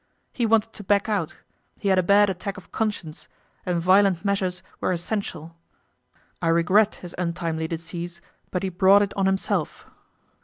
He wanted to back out he had a bad attack of conscience, and violent measures were essential. I regret his untimely decease, but he brought it on himself.